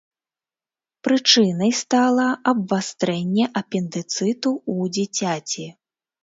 Прычынай стала абвастрэнне апендыцыту ў дзіцяці.